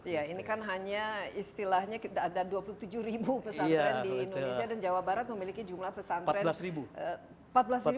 ya ini kan hanya istilahnya kita ada dua puluh tujuh ribu pesantren di indonesia dan jawa barat memiliki jumlah pesantren